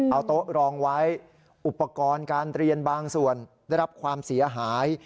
เอาโต๊ะรองไว้อุปกรณ์การเรียนบางส่วนได้รับความเสียหาย